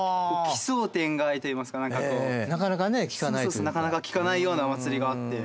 そうですなかなか聞かないようなお祭りがあって。